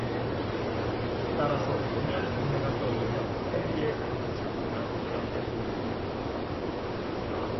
따라서 용연 동네가 떠오르며 선비의 고운 자태가 눈앞에 보이는 듯하였다.